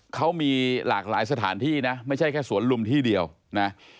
เขามีหลากหลายสถานที่นะไม่ใช่แค่สวนลุมที่เดียวนะ